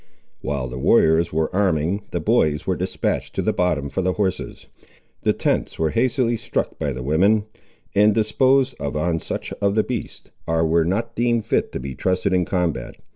While the warriors were arming, the boys were despatched to the bottom for the horses. The tents were hastily struck by the women, and disposed of on such of the beasts as were not deemed fit to be trusted in combat.